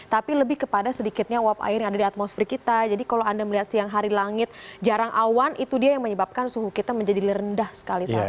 tapi lebih kepada sedikitnya uap air yang ada di atmosfer kita jadi kalau anda melihat siang hari langit jarang awan itu dia yang menyebabkan suhu kita menjadi rendah sekali saat ini